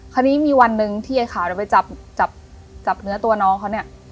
คราวนี้มีวันหนึ่งที่ไอ้ขาวเราไปจับเนื้อตัวน้องเขาเนี่ย